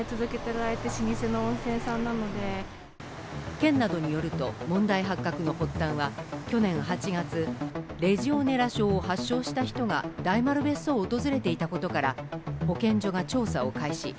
県などによると問題発覚の発端は去年８月、レジオネラ症を発症した人が大丸別荘を訪れていたことから保健所が調査を開始。